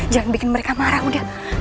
jangan bikin mereka marah udah